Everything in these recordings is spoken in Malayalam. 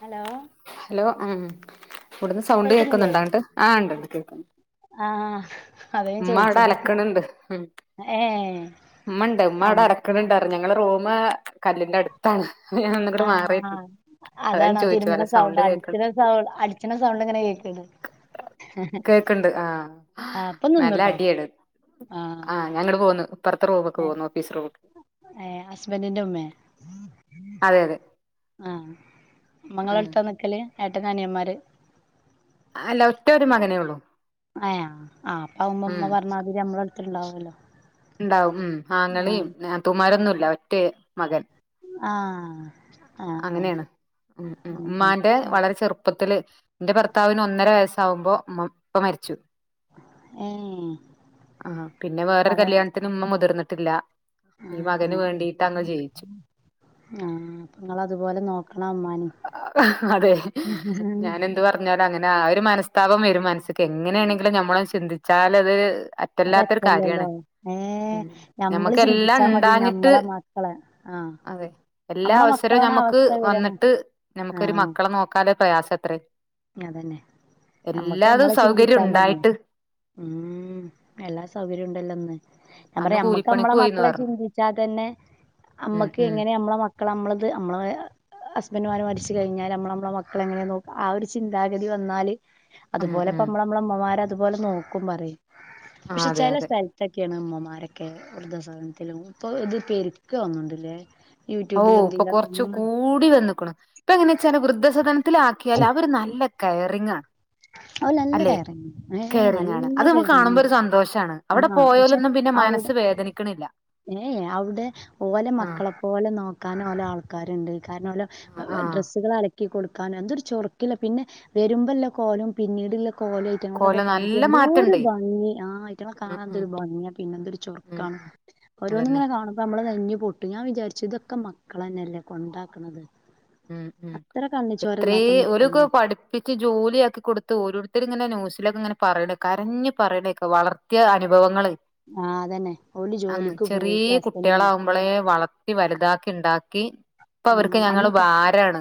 ഹലോ. ഹലോ ഉം ഇവിടുന്ന് സൗണ്ട് കേൾക്കുന്നില്ലേ കേൾക്കുന്നുണ്ടോ അങ്ങട്ട് ആഹ്ണ്ട്ണ്ട് കേക്ക്ണ്ട്. ആഹ്. അതാ ഞാൻ മ്മവടെ ചോയിച്ചത് അലക്ക്ണ് ണ്ട്. ഏഹ് മ്മ ണ്ട് ഉമ്മ അവടെ ആഹ് അലക്ക ക്ക്ണ് ണ്ട് ഞങ്ങളെ റൂമ് കല്ലിന്റെ അടുത്താണ് അ ഞാനെന്ന് ങ്ങ്ട് മാറിരുന്നു. ആഹ് അതാണ് ആ തിരുമ്പ്ണ സൗണ്ട് അടിച്ച്ണ സൗണ്ട് അട്ച്ച്ണ സൗണ്ട് ഇങ്ങനെ കേക്ക്ണ്ട്. കേക്കണ്ട് ആ ആഹ് പ്പൊ നല്ല അട്യാണ് ആഹ് ഞാങ്ങ്ട് പോന്നു. ഇപ്പറത്തെ റൂമ്ക്ക് എഹ് പോന്നു ഓഫീസ് റൂമ്ക്ക് ഏഹ് അസ്ബന്റിന്റെ ഉമ്മേ. അതെ അതെ ആഹ് ഉം മ്മങ്ങളെടുത്താ നിക്കല് ഏട്ടനനിയന്മാര്. അല്ല ഒറ്റൊരു മകനെ ഒള്ളൂ. എഹ് ആഹ് അപ്പ അവുമ്പമ്മ പറഞ്ഞാതിരി നമ്മളടുത്ത് ണ്ടാവല്ലോ. ഉണ്ടാവും ഉം ആങ്ങളീം നാത്തൂമ്മാരൊന്നുല്ലാ ഒറ്റ മകൻ. ആഹ്. ആഹ് ആഹ് അങ്ങനേണ് ഉം, ഉം ഉമ്മാന്റെ ഉം വളരെ ചെറുപ്പത്തില് ന്റെ ഭർത്താവിന് ഒന്നര വയസ്സാവുമ്പോ മ്മ ഇപ്പ മരിച്ചു. ഏഹ് ആഹ് പിന്നെ വേറൊരു അപ്പം കല്യാണത്തിന് മ്മ മുതിർന്നിട്ടില്ല. ഈ ആഹ് മകന് ആഹ് വേണ്ടീട്ടങ്ങ് ജീവിച്ചു. ആഹ് അപ്പൊ ങ്ങളതുപോലെ നോക്ക അതെ ഇമ്മാനിം ഞാനെന്ത് പറഞ്ഞാലും അങ്ങനെ ആ ഒരു മനസ്താപം വരും മനസ്സി ക്കെങ്ങനേണെങ്കിലും ഞമ്മളത് ചിന്തിച്ചാലത് അറ്റല്ലാത്തരു ഒരറ്റല്ലല്ലോ കാര്യാണ് ഏഹ് ഉം. ഞമ്മള് നമ്മക്ക് എല്ലാം ചിന്തിച്ചാ മതി ഇണ്ടാഞ്ഞിട്ട് ഞമ്മളെ മക്കളെ ആഹ് അതെ എല്ലാ നമ്മളെ അവസരവും മക്കളാണ് നമ്മക്ക് അവസ്ഥ വരണ വന്നിട്ട് നമുക്കരു ആഹ് മക്കളെ നോക്കാല്ലേ പ്രയാസ എത്രേ. അതന്നെ നമ്മക്ക് നമ്മളെ സൗകര്യം ചിന്തിച്ചാ മതി. ഉണ്ടായിട്ട് ഉം എല്ലാ ഉം സൗകര്യം ഉണ്ടല്ലോ ഇന്ന്. ഞാൻ അന്ന് പറയാ നമ്മക്ക് കൂലിപ്പണിക്ക് നമ്മളെ പോയിന്ന് മക്കളെ പറഞ്ഞു ചിന്തിച്ചാ തന്നെ ഉം നമ്മക്ക് ഉം എങ്ങനെ നമ്മളെ മക്ക മക്കള് നമ്മളത് നമ്മളെ ഹസ്ബൻഡുമാര് മരിച്ചു കഴിഞ്ഞാൽ നമ്മള് നമ്മളെ മക്കളെ എങ്ങനെയാ നോക്കാ ആ ഒര് ചിന്താഗതി വന്നാല് ഉം അതുപോലെ ഇപ്പോ ഉം നമ്മ നമ്മളെ ഉമ്മമാരെ അതുപോലെ നോക്കും പറയും ആ പക്ഷെ അതെ ചെല അതെ സ്ഥല- ത്തെക്കെയാണ് ഉമ്മമാരൊക്കെ വൃദ്ധസദനത്തിലും ഇപ്പൊ ഇത് പെരിക്കാ തോന്നുന്ന്ണ്ട്ലേ. ഓ ഇപ്പൊ കൊറച്ച് കൂടി വന്ന്ക്ക്‌ണ് ഇപ്പ എങ്ങനാ വെച്ചാല് വൃദ്ധസദനത്തില് ആക്കിയാൽ അവര് നല്ല കയറിങ്ങാ. അവ നല്ല അല്ലെ കയറിങ് ഏ കയറിങ്ങാണ് നല്ല അത് നമ്മുക്ക് കാണുമ്പോ കയറിങ്ണ്ട് ഒരു സന്തോഷാണ് അവിടെ ആഹ് പക്ഷെ പോയലൊന്നും പിന്നെ അവിടെ മനസ്‌ വേദനിക്ക്‌ണില്ല. ഏ അവിടെ ഓലെ മക്കളെ ഓലെ നോക്കാനും ഓലെ ആൾക്കാരുണ്ട് കാരണം ഓലെ ആ ഡ്രസ്സുകള് അല ക്കി കൊടുക്കാന് എന്തൊരു ചൊറുക്കില്ല പിന്നെ വരുമ്പയുള്ള കോലം പിന്നീടുള്ള കോലും ഐറ്റങ്ങളതൊക്കെ കോലം കണ്ടിട്ട് നല്ല എന്തോരു മാറ്റണ്ടേ ഭംഗി ആഹ് ഐറ്റങ്ങളെ ഉം കാണാൻ ഉം എന്തൊരു ഭംഗിയാ പിന്നെ എന്തൊരു ഉം ചൊറുക്കാണ്. ഉം ഓരോന്ന് അതന്നെ ഇങ്ങന്നെ കാണും മ്പം നമ്മളെ നെഞ്ചു പൊട്ടും ഞാൻ വിചാരിച്ചു ഇതൊക്കെ മക്കളന്നെയല്ലേ കൊണ്ടാക്ക്‌ണത്. ഉം ഉം എത്രയും ഓലുവൊക്കെ മക്കളാണ് പഠി പഠിപ്പിച്ച് ജോലിയാക്കി കൊടുത്ത് ഓരോരുത്തർ ഇങ്ങനെ ന്യൂസിലൊക്കെ ഇങ്ങനെ പറയണ കരഞ്ഞ് പറയണക്കെ വളർ ത്തിയ അനുഭവങ്ങള് ആഹ് അതത് തന്നെ ഓല് ജോലിക്ക് പോയിട്ട് ഹസ്ബൻഡ് മക്കളെ വളർത്തി വലുതാക്കി ഇണ്ടാക്കി ഇപ്പ അവർക്ക് ഞങ്ങള് അന്നൊക്കെ ഭാരാണ്.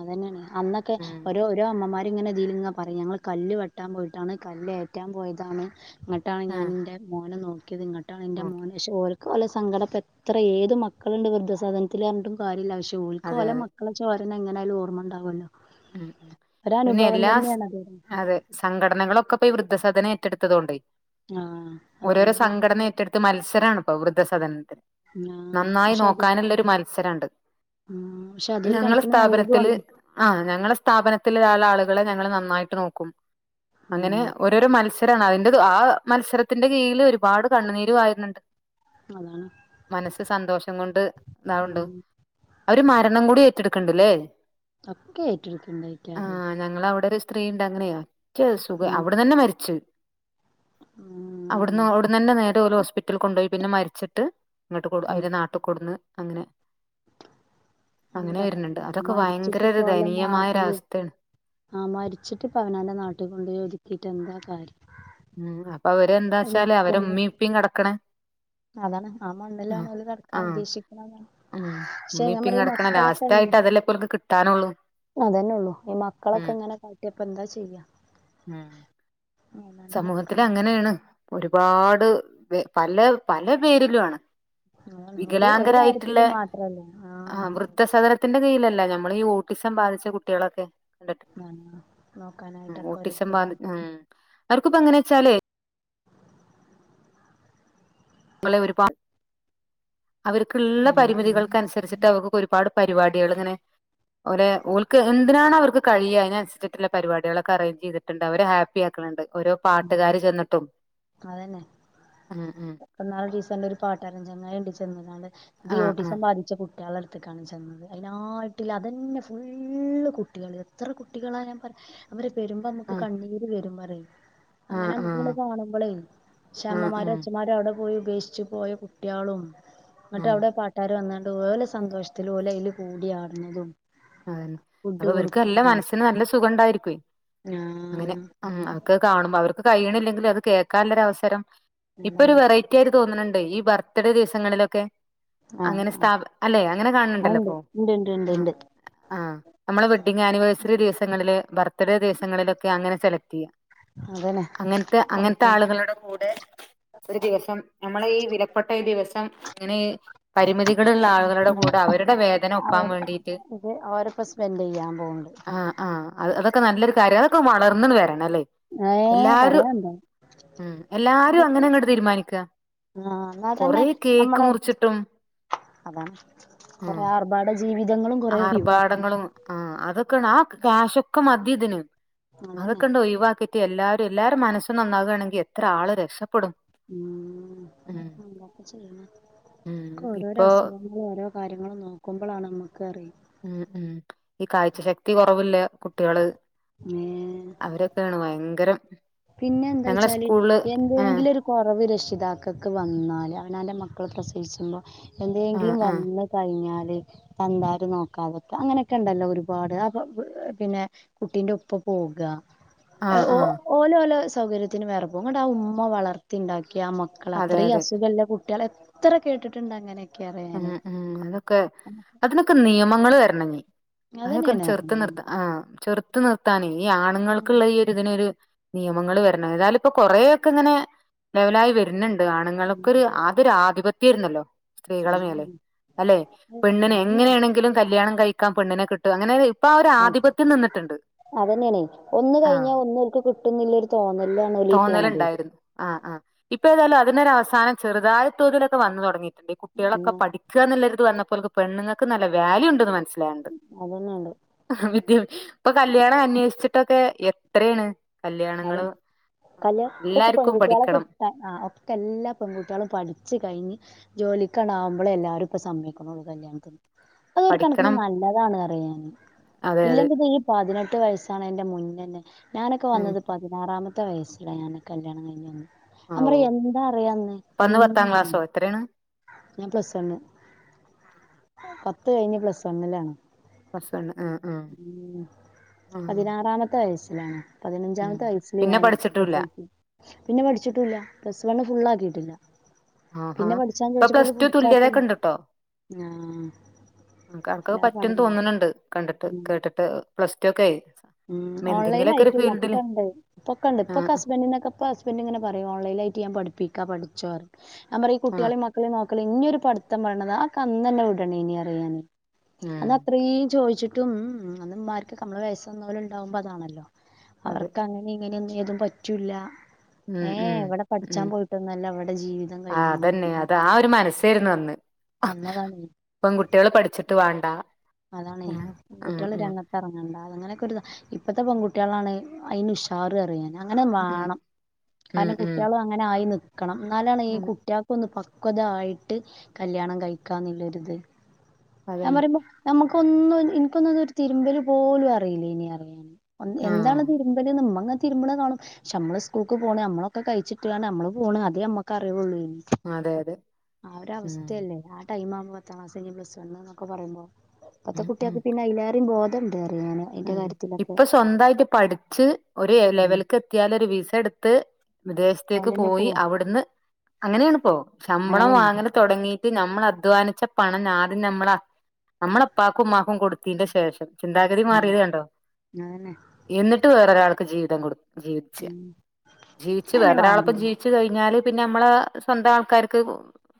അതന്നെയാണ് അന്നൊക്കെ ഉം ഓരോ ഓരോ അമ്മമാര് ഇങ്ങനെ ഇതിലങ്ങനെ പറയും ഞങ്ങള് കല്ല് വെട്ടാൻ പോയിട്ടാണ് കല്ല് ഏറ്റാൻ പോയതാണ്. ഇങ്ങട്ടാണ് ഞാൻ ആഹ് എന്റെ മോനെ നോക്കിയത് ഇങ്ങട്ടാണ് എന്റെ ഓക്കെ മോന് ശോ ഓ ഇതുപോലെ സങ്കടപെട്ട് എത്ര ഏത് മക്കളുണ്ട് വൃദ്ധ സദനത്തില് പറഞ്ഞിട്ടും കാര്യല്ല പക്ഷേ ഓല്ക്ക് അതെ ഓലെ അതെ മക്ക ളെ ചോരനെ എങ്ങനായാലും ഓർമ്മ ഉണ്ടാവുല്ലോ. ഉം പിന്നെ എല്ലാ തന്നെയാണത് അതെ. സംഘടനകളൊക്കെ ഇപ്പോ ഈ വൃദ്ധസദനം ഏറ്റടുത്തതൊണ്ടേ ആഹ് അതോണ്ട് പിന്നെ ത്ത് മത്സരണിപ്പോ വൃദ്ധസദനത്തിന് ആ നന്നായി പക്ഷെ അത് നോക്കാനുള്ള ഒരു മത്സരവുണ്ട്. ഉം പക്ഷെ അതൊരു ഞങ്ങള് കണക്കിന് നല്ലതും സ്ഥാപനത്തില് ആണ് ആഹ് ഞങ്ങളെ സ്ഥാപനത്തിലുള്ള ആളുകളെ ഞങ്ങള് നന്നായിട്ട് നോക്കും അങ്ങനെ ഉം ഒരു അതൊരു മത്സരാവാണ് അതിന്റെ ആ മത്സരത്തിന്റെ കീഴില് ഒരുപാട് കണ്ണുനീര് വാരുന്നുണ്ട്. അതാണ്. മനസ്സ് സന്തോഷം കൊണ്ട് ഇതാവുണ്ട് ഉം അവര് മരണം കൂടി ഏറ്റെടുക്ക്‌ണ്ട് ഇല്ലേ ഒക്കെ ഏറ്റെടുക്ക്‌ണ്ട് അയിറ്റവാ അത് ഞങ്ങളെ അവിടെ ഒരു സ്ത്രീ ഉണ്ടായിരുന്നെ അ [unintelligible] സുഖം ഉം അവിടുന്നു തന്നെ മരിച്ച് ഉം അവിടുന്ന് അവിടുന്ന് തന്നെ നേരെ ഒരു ഹോസ്പിറ്റലിൽ കൊണ്ടോയി പിന്നെ മരിച്ചിട്ട് ഇങ്ങോട്ട് കൊ ഉം അവര് നാട്ട് കൊടുന്ന് അങ്ങനെ അങ്ങനെ എന്താപ്പ വരണുണ്ട് പറയാ, അതൊക്കെ ഭയങ്കര മരിച്ചിട്ട് ഒരു ദയനീയമായ ഒരവസ്ഥയാണ്. ആഹ് മരിച്ചിട്ട് ഇപ്പം അവനാന്റെ നാട്ടിൽ കൊണ്ട് ഒതിക്കീട്ട് എന്താ കാര്യം. ഉം അപ്പൊ അവര് അത് എന്താച്ചാല് അവരെ നിക്കുമ്പോ ഉമ്മീ ഉപ്പീ കെടക്കണ അതാണ് ആ ആഹ് മണ്ണിലാണ് ഓല് കെടക്കാൻ ആഹ് ഉദ്ദേശിക്കണത്. ഉം പക്ഷെ ഇമ്മീം ഞാൻ ഇപ്പി പറയാ ഈ കെടക്കണ മക്കളൊക്കെ ലാസ്റ്റ് ഇല്ലേ, ആയിട്ട് അതെല്ലേപ്പോൽക്ക് കിട്ടാനൊള്ളൂ. അതന്നെ ഉള്ളൂ ഈ മക്കളൊക്കെ ഇങ്ങനെ കാട്ടിയാപ്പെന്താ ചെയ്യാ. ഉം ഏതാണ്ട് സമൂഹത്തില് മക്കളും അങ്ങനെയാണ് ഉം ഒരുപാട് വെ പല പല പേരിലു ആണ് ആഹ് അതാണ്‌ ഒരു ഒര് വികലാംഗരായിട്ടുള്ള കാര്യത്തില് മാത്രല്ല ആ ആഹ് വൃദ്ധസദനത്തിന്റ കീഴിലല്ല ഞമ്മള് ഈ ഓട്ടിസം ബാധിച്ച കുട്ടികളെക്കെ [unintelligible] നോക്കാനായ്ട്ടൊക്ക ഓരോര്ത്തര് അവർക്കിപ്പ എങ്ങനാ വെച്ചാലേ ങ്ങളെ ഒരുപാ അവര്ക്ക്‌ള്ള ഉം ഉം പരിമിതികൾക്കൻസരിച്ച്‌ ട്ടവക്കൊക്കെ ഒരുപാട് പരിപാടികള് ഇങ്ങനെ ഓലെ ഓൽക്ക് എന്ത്നാണവർക്ക് കഴിയ അയ്നൻസ്ച്ചിട്ട്ള്ള പരിപടികളെക്ക അറേഞ്ച് ചെയ്ത് ട്ട്ണ്ട് അവരെ ഹാപ്പി ആക്ക്‌ണ് ണ്ട് ഒരോ ഉം പാട്ട്കാര് ചെന്ന്ട്ടും ഉം ഉം ഇപ്പം ഇന്നാളൊരീസണ്ട് ഒരു പാട്ടാരം ചെങ്ങായിണ്ട് ചെന്നുങ്ങാണ്ട് തി ആഹ് ആഹ് ഓട്ടിസം ബാധി ച്ച കുട്ടികള അട്ത്ത്ക്കാണ് ചെന്നത് അയ്നാട്ടില് അതന്നെ ഫുള്ള് കുട്ടികള് എത്ര കുട്ടികളാ ഞാൻ പറ അവര് വര്മ്പ നമ്മക്ക് ആഹ് കണ്ണീര് വെരും പറയും അങ്ങന ആഹ് നമ്മക്ക്‌ ആഹ് ഇങ്ങന കാണുമ്പളെ പക്ഷെ ആഹ് അമ്മമാരോ ആഹ് അച്ഛമാരോ അവടെ പോയി ഉപേക്ഷി ച്ചു പോയ കുട്ടികളും എന്നിട്ട് ആഹ് അവടെ പട്ട് ട്ടാര് വന്നാണ്ട് ഓലെ സന്തോഷത്തില് ഓൽ അയ്ല് കൂടിയാട്ണതും അതന്നെ അപ്പ ഇവര്ക്ക് നല്ല മനസ്സിന് നല്ല സുഖം ഉണ്ടാരിക്കുവെ അങ്ങനെ ആഹ് ഉം അതൊക്കെ കാണുമ്പ അവർക്ക് കയ്യണില്ലെങ്കിലും അത് കേക്കാല്ലൊരു അവസരം ഇപ്പ ഒരു അതാണ് വെറൈ ക്കെര് തോന്ന്ണ് ണ്ട് ഈ ബർത്ത്ഡേ ദിവസങ്ങളിലൊക്കെ ആഹ് അങ്ങനെ ആഹ് സ്ഥാപ അല്ലെ അങ്ങനെ കാണ് ണ് ഇണ്ട് ണ്ടല്ലപ്പോ ഇണ്ട് ഇണ്ട് ഇണ്ട് ആഹ് ഇണ്ട് ആഹ് നമ്മള് വെഡിങ്ങാനിവേഴ്സറി ദിവസങ്ങളില് ബർത്ത്ഡേ ദിവസങ്ങളിലൊക്കെ അങ്ങന സെലക്റ്റിയ്യാം അതന്നെ അങ്ങൻത്തെ അങ്ങൻത്തെ ഓൽക്ക് ആളുകള്ടെ കൂടെ ഒര് ദിവസം ഞമ്മളെ ഈ വിലപ്പെട്ട ഈ ദിവസം ഇങ്ങനെ പരിമിതികള് ഇള്ള ആള്കളുടെ കൂടെ അവരുടെ വേദന ഒപ്പാം വേണ്ടീട്ട് [unintelligible] അവരൊക്കെ സ്പെൻഡെയ്യാം പോവ്ണ്ട് അഹ് ആഹ് അത് അതൊക്കെ നല്ലൊര് കാര്യ അതൊക്കെ വളർന്ന്ണ് വെരണല്ലേ ഏഹ് പറേണ് ണ്ടോ ഉം എല്ലാരും അങ്ങനങ്ങട്ട് തീര്മാനിക്ക ആഹ് എന്നാ തന്നെ കൊറേ കേക്ക് നമ്മളെ മുറ്ച്ചിട്ടും അതാണ് കൊറെ ആർഭാട ജീവിതങ്ങളും കൊറേ ഒഴിവാക്കണം ആർഭാടങ്ങളും ആഹ് അതൊക്കണ് ആ കാശൊക്ക മതി ഇതിന് അതന്നെ അതൊക്കണ്ട് ഒഴിവാക്കിറ്റ് എല്ലാരും എല്ലാരെ മനസ്സും നന്നാകാണെങ്കി എത്ര ആള് രക്ഷപ്പെടും ഉം ഉം എന്താപ്പം ചെയ്യണെ ഉം ഒക്കെ ഓരോരോ ഇപ്പൊ അസുഖങ്ങ് നമ്മള് ഓരോ കാര്യങ്ങള് നോക്കുമ്പളാണ് നമ്മക്ക് അറീ ഉം ഉം ഈ കാഴ്ച ശക്തി കൊറവ് ഇല്ലെ കുട്ടികള് ഏഹ് അവരൊക്കെ ആണ് ഭയങ്കരം പിന്ന എന്താ ഞങ്ങളെ ചോയ്ച്ചാല് സ്കൂളില് ആഹ് എന്തേങ്കിലും ര് കൊറവ് രക്ഷിതാക്കക്ക് വന്നാല് അവനാൻ്റ മക്കള പ്രസവിച്ച്‌മ്പോ ആഹ് എന്തേങ്കിലും ആഹ് വന്ന് കഴ്‌ഞ്ഞാല് തന്താര് നോക്കാത്ക്ക അങ്ങനെക്കണ്ടല്ലോ ഒരുപാട് അപ്പ പി പിന്നെ കുട്ടിന്റ ഒപ്പം പോകാ ആഹ് ഏഹ് ഓ ആഹ് ഓലോലെ സൗകര്യത്തിന് വേറ പോവും എന്നിട്ട് ആ ഉമ്മ വളർത്തിണ്ടാക്കിയ ആ മക്ക ക്കള് അതെ അത്രേം അതെ അസുഖല്ല കുട്ട്യള് എത്ര കേട്ട്ട്ട്ണ്ട് അങ്ങനെക്ക അറിയോ ഉം ഞാന് ഉം അതൊക്കെ അതിനൊക്ക നിയമങ്ങള് വെര്ണഞ്ഞി അതൊക്കെന്ന് അതന്നെയാണ് ചെർത്ത് അറിയാന് നിർത്ത ആഹ് ചെറ്ത്ത് നിർത്താനെ ഈ ആണ്ങ്ങൾക്കിള്ള ഈ ഇതിനൊര് നിയമങ്ങള് വെര്ണം ഏതാലിപ്പൊ കൊറേ ഒക്ക ഇങ്ങനെ ലെവലായ് വെര്ണ് ണ്ട് ആണുങ്ങൾക്കൊര് ഉം ആദ്യൊര് ആധിപത്ത്യെര്ന്നലൊ സ്ത്രീകള മേലെ അല്ലേ ഉം പെണ്ണ്നെ അതന്നെ എങ്ങനെയാണെങ്കിലും കല്യാണം കയ്ക്കാം പെണ്ണ്നെ കി ട്ടും അങ്ങനൊര് ഇപ്പാ ഒരാധിപത്യം നിന്ന്ട്ട്ണ്ട് അതന്നെണെ ഒന്ന് കയ്ഞ്ഞാ ഒന്നോൽക്ക് കിട്ടുന്നില്ലൊര് തോന്നല്ലാണ് ഓലീ പോണത് ആഹ് അഹ് ഇപ്പെ ഏതായാലു അതിനൊരവസാനം ചെറ്തായ തോതിലൊക് വന്ന് തൊടങ്ങീട്ട്ണ്ട് ഈ കുട്ടികളെക്ക എന്നാ പഠി ക്കാന്നില്ലൊര്ത് വന്നപ്പൊ ഓൽക്ക് പെണ്ണ്ങ്ങക്ക് നല്ല വ്യാല്യു ഇണ്ട്ന്ന് മനസ്സ്ലാണ്ട് അതന്നെണ്ട് വിദ്യെ ഇപ്പൊ കല്യാണം അന്വേഷിച്ചിട്ടൊക്കെ എത്രേണ് അത കല്യാണങ്ങള് കല് ഒക്കെ എല്ലാർക്കും പെൺകുട്ടികളെ പഠിക്കണം കിട്ടാൻ ഒക്കെ എല്ലാ പെൺകുട്ടികളും പഠിച്ച് കഴിഞ്ഞ് ജോലിക്കണാവുമ്പളെ എല്ലാരും ഇപ്പ സമ്മയ്ക്ക്ണുള്ളു കല്യാൺത്തിന് അതൊരു കണക്കിന് പഠിക്കണം നല്ലതാണ് അറിയ് ഞാന് അതെ അതെ ഇല്ലെങ്കി പതിനെട്ട് വയസ്സാണ് അയിന്റെ മുന്നെന്നെ ഞാനൊക്ക ഉം വന്നത് പതിനാറാമത്തെ ത്ത വയസ്സില ഞാന് കല്യാണം കഴിഞ്ഞ് വന്നെ ആ അം ഓ പറയ് എന്താ അറിയാന്ന് അപ്പൊ അന്ന് ഒന്നു പത്താം അറീല ക്ലാസ്സോ എത്രയാണ് ഞാൻ പ്ലസ് വണ്ണ് പത്ത് കഴിഞ്ഞ് പ്ലസ് വണ്ണിലാണ് പ്ലസ് വൺ ആ ആ ഉം ആ പതിനാറാമത്തെ വയസ്സിലാണ് ഉം പതിനഞ്ചാമത്തെ വയസ്സില് പിന്നെ ഞാന് എസ് പഠിച്ചിട്ടുല്ല എൽ സി പിന്നെ പഠിച്ചിട്ടൂല്ല പ്ലസ് വണ്ണ് ഫുള്ളാക്കീട്ടില്ല ആഹാ പിന്നെ പഠിച്ചാൻ ഇപ്പൊ ചോയിച്ചപ്പൊ പ്ലസ് ടു തുല്യതൊക്കെ ഓല് [unintelligible] ആഹ് അനക്ക്ക്കൊക്ക എല്ലാ പറ്റുംന്ന് പഠനം തോന്നണ് ണ്ട് കണ്ടിട്ട് ഉം കേട്ടിട്ട് പ്ലസ് ട്ടു ഒക്കെ ആയി ഉം ഓൺലൈനായിട്ടും ഒക്ക ഇണ്ട് ഇപ്പൊക്കണ്ട് ആ ഇപ്പൊക്ക ഹസ്ബന്റിനൊക്ക ഇപ ൻഡ് ഇങ്ങന പറയും ഓൺലൈൻ ആയിട്ട് ഞാ പഠിപ്പിക്ക പഠിച്ചൊ ഞാൻ പറിയ് ആ കുട്ടീളെ മ മക്കളി മോക്കലും ഇഞ്യൊരു പഠിത്തം [unintelligible] അതൊക്കന്നന്നെ വിടണേന് പറിയ് ഞാന് ഉം അന്ന് അത്രീം ചോദിച്ചിട്ടും ഊം ഉം അന്ന് ഇമ്മർകൊക്ക നമ്മള് വയസ്സന്നോല് ഇണ്ടാവുമ്പൊ അതാണല്ലൊ അതെ അവർക്ക് അങ്ങനെ ഇങ്ങനെയൊന്നും ഏതും പറ്റൂല്ല ഉം ഏഹ് ഉം ഇവിടെ ഉം പഠിച്ചാൻ പോയിട്ടൊന്നല്ല ഇവിടെ ജീവിതം കഴിയ്ണെ തരുന്നന്ന് പെൺകുട്ടീള് പഠിച്ചിട്ട് വാണ്ട ഉം ആഹ് ആഹ് എറങ്ങണ്ട അങ്ങനൊക്കൊരുതാ ഇപ്പത്തെ പെകുട്ടീളാണ് അയിന് ഉഷാറ് പറിയ് ഞാന് അങ്ങനെ ഉം വാണം ഉം കാര്ണം ഉം കുട്ടീള് അങ്ങനെ ആയി നിക്കണം ഇന്നാലാണ് ഈ ഉം കുട്ട്യേ ഇപൊന്ന് പക്വതായിട്ട് കല്യാണം കഴിക്കാന്നില്ലൊരിത് ഞാ അതന്നെ പറയുമ്പൊ നമുക്കൊന്നും എനിക്കൊന്നൊരു തിരുമ്പല് പോലും അറിയില്ലേന് പറയ് ഞാന് എന്താണ് ആഹ് തിരുമ്പല് ഇമ്മങ്ങനെ തിരുമ്പ്ണ കാണും പക്ഷെ നമ്മള് സ്കൂൾക്ക് പോണ് നമ്മളൊക്ക കഴിച്ചിട്ട്ങ്ങാണ്ട് നമ്മള് പോണ് അതേ നമ്മക്കറിയൊള്ളു അതെ അതെ ആഹ് ഒര് അവസ് ഉം ആഹ് ടൈമാവ്മ്പൊ പത്താംക്ലാസ് കയിഞ് പ്ലസ് വണ്ണ്ന്നൊക്ക പറയുമ്പൊ ഇപത്തെ ഉം ഉം കുട്ട്യേക്ക പിന്നെ അയിലേറെ ബോ ഇതുണ്ട് പറയാന് ഉം ഇപ്പൊ സ്വന്തായിട്ട് പഠിച്ച് ഒരു ഉം ലെവലിക്ക് എത്ത്യാല് ഒരു വിസ ഇട്ത്ത് വിദേശത്തേക്ക് ഓലന്നെ പോയി പോവാ അവിടുന്ന് അങ്ങനേണ് ഇപൊ ശമ്പളം അങ്ങനെയാണ് വാങ്ങ തുടങ്ങീട്ട് നമ്മള അധ്വാനിച്ച പണം നാദം നമ്മള നമ്മള ഇപ്പാക്കും ഇമ്മാക്കും കൊടുത്തീന്റെ ശേഷം ചിന്ത ഉം മാറിയതണ്ടോ അതന്നെ എന്നിട്ട് വേറൊരാൾക്ക് ജീവിതം കൊടു ജീവിച്ച് ഉം ജീവിച്ച് അതന്നെ വേറൊരാളപ്പം വാണ്ടിയത് ജീവിച്ച് ട്ട് കഴിഞ്ഞാല് പിന്നെ നമ്മള സ്വന്തം ആൾക്കാര്ക്ക്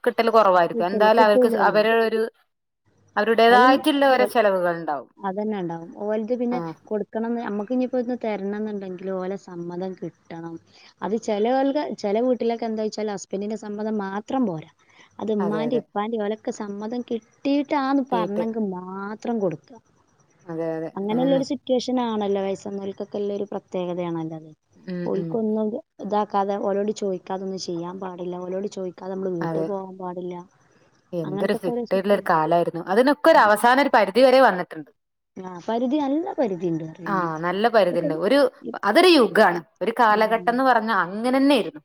കിട്ടല് കുറവായിരിക്കും കിട്ടൂല എന്തായാലും അവർക്ക് കിട്ടൂലല്ലോ അവരു ഒരു ഓല് അവരുടേതായിട്ടുള്ള ഒരോ ഓൽ ചെലവുകൾ ഉണ്ടാവും അതന്നെ ഇണ്ടാവും ഓൽത് പിന്നെ ആഹ് കൊടു കണംന്ന് അമ്മക്ക് ഇനിപ്പോ ഇന്ന് തര്ണംന്നുണ്ടെങ്കിലു ഓലെ സമ്മതം കിട്ടണം അത് ചെല ഓൽക ചില വീട്ടിലൊക്കെ എന്താ വെച്ചാൽ ഹസ്ബൻഡിന്റെ സമ്മതം മാത്രം പോരാ അത് അതെ ഉമ്മാന്റെ അതെ ഇപ്പാന്റെ ഓലക്കെമ്മതം കിട്ടിയിട്ടാന്ന് തീട്ട് പറഞ്ഞെങ്കി മാത്രം കൊട്ക്ക അതെ അതെ അങ്ങനെയുള്ള അങ്ങനെന്നെ ഒരു സിറ്റ് സിറ്റുവേഷൻ ആണല്ലോ വയസ്സന്നൽക്കൊക്കെള്ളൊരു പ്രത്യേകതയാണല്ലോ അത് ഉം ഉം ഓൽക്കൊന്നും ഇത് ഇതാക്കാതെ ഓലോടി ചോദിക്കാതൊന്നും ചെയ്യാൻ പാടില്ല ഓലോട് ചോയിക്കാതെ നമ്മള് വീട്ടിൽ അതെ പോകാൻ പാടില്ല എന്തൊരു അങ്ങനത്തൊക്കെ ഓരോ ഫിറ്റുള്ള ഒരു സിറ്റുവേഷൻ കാലായിരുന്നു അതിനൊക്കെ ഒരു അവസാന ഒരു പരിധി വരെ വന്നിട്ടുണ്ട് ആഹ് പരിധി നല്ല പരിധിണ്ട്ന്നറിയ ഞാന്. ആഹ് നല്ല ഇപ്പം പരിധിണ്ട് ഒരു അതൊരു യുഗാണ് ഒരു ആ കാലഘട്ടംന്ന് പറഞ്ഞ അങ്ങനെന്നെ ആയിരുന്നു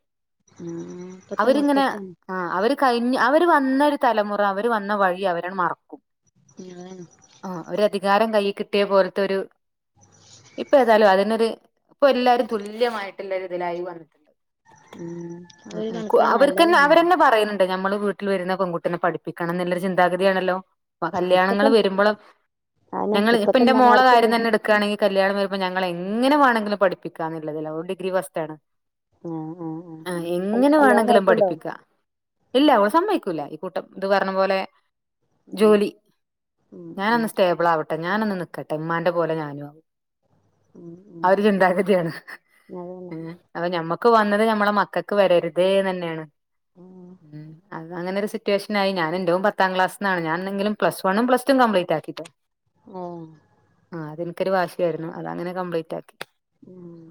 ഉം ഇപ്പത്തെ മക്കക്കൊന്നും ആഹ് അവര് കഴിഞ്ഞ അവര് വന്ന ഒരു തലമുറ അവര് വന്ന വഴി അവരങ്ങ് മറക്കും അതന്നെ ആഹ് ഒരു അധികാരം കൈയിൽ കിട്ടിയ പോൽത്തെ ഒരു ഇപ്പൊ ഏതായാലും അതിനൊരു ഇപ്പൊ എല്ലാവരു തുല്യമായിട്ടുള്ള ഇതിലായി വന്നിട്ടുണ്ട് ഉം ഒരു കണക്കിന് നല്ലത് തന്ന നമ്മള് വീട്ടിൽ വരുന്ന പെൺകുട്ടിനെ പഠിപ്പിക്കണംന്ന് ള്ളൊരു ചിന്താഗതിയാണല്ലോ ആ ഇപ്പത്തെ കല്യാണങ്ങള് വരുമ്പളൊക് അതെന്നെ ഞങ്ങള് ഇപ്പ ഇപ്പത്തെ ന്റെ മോളെ കാര്യം ഉമ്മമാർക്കുണ്ട് തന്നെ എടു ക്കാണെങ്കിൽ കല്യാണം വരുമ്പ ഞങ്ങള് എങ്ങനെ വേണങ്കിലും പഠിപ്പിക്കാന്നുള്ളതിലാ ഓള് ഡിഗ്രി ഫസ്റ്റാണ് ആ ആ ആ ആഹ് കൽ എങ്ങനെ കല്യാണം വേണെങ്കിലും നോക്കുന്നുണ്ടോ പഠിപ്പിക്കാ ഇല്ല അവള് സമ്മതിക്കൂല കൂട്ടം ഇത് പറഞ്ഞ പോലെ ആ ജോലി ഉം ഞാനൊന്ന് ഉം സ്റ്റേ ബിളാവട്ടെ ഞാനൊന്ന് നിക്കട്ടെ ഉമ്മാന്റെ പോല ഞാനും ആവും ഉം ഉം ആ ഒര് ചിന്താഗതിയാണ്. അതന്നെ ഏഹ് അപ്പൊ ഞമ്മക്ക് വന്നത് ഞമ്മള മക്കക്ക് വരരുതേന്നന്നെയാണ് ആ ഉം അങ്ങനെരു സി ഡിറ്റുവേഷനായി ഞാൻ എൻ്റെ പത്താം ക്ലാസിന്നാണ് ഞാൻനെങ്കിലും പസ് വണ്ണും പ്ലസ് റ്റു കംപ്ലീറ്റ് ആക്കിട്ടോ ഓഹ് ആഹ് അത് എനിക്കൊരു വാശി ആയിരുന്നു അത് അങ്ങനെ കംപ്ലീറ്റ് ആക്കി ഉം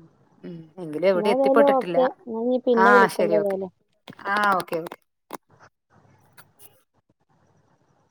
ഉം എങ്കിലും എവിടെ എന്നാ ഏതായാലും എത്തിപ്പെട്ട്ട്ടില്ല ഓക്കെ എന്നാ ഇനി പിന്നെ ആഹ് വിളിക്കണ്ട് ശരി ഓക്കെ ആഹ് ഓക്കെ ഓക്കേ